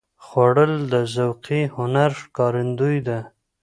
خوړل د ذوقي هنر ښکارندویي ده